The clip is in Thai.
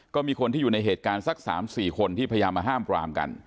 ก็มีคนที่อยู่ในเหตุการณ์สัก๓๔คนที่พยายามมาห้ามปรามกัน